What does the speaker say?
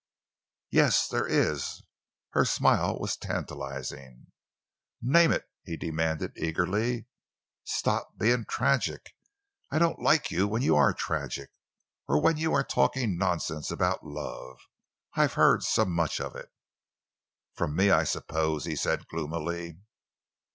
"Yes—there is." Her smile was tantalizing. "Name it!" he demanded, eagerly. "Stop being tragic. I don't like you when you are tragic—or when you are talking nonsense about love. I have heard so much of it!" "From me, I suppose?" he said, gloomily.